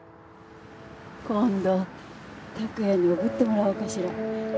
今度託也におぶってもらおうかしら。